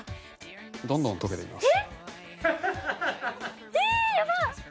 どんどん溶けていきます。